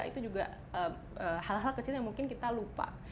itu juga hal hal kecil yang mungkin kita lupa